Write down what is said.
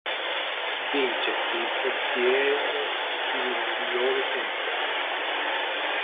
Vince chi ottiene il miglior tempo.